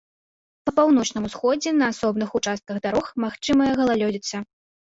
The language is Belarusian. Па паўночным усходзе на асобных участках дарог магчымая галалёдзіца.